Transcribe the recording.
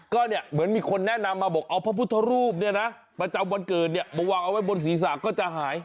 ก็เนี่ยเหมือนมีคนแนะนำมาบอกเอาพระพุทธรูปเนี่ยนะประจำวันเกิดเนี่ยมาวางเอาไว้บนศีรษะก็จะหาย